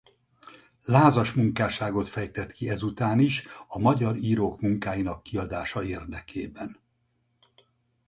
Lázas munkásságot fejtett ki ezután is a magyar írók munkáinak kiadása érdekében.